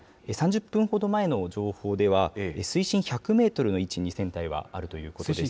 ３０分ほど前の情報では、水深１００メートルの位置に船体があるということです。